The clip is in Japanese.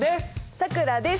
さくらです。